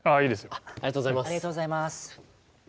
ありがとうございます。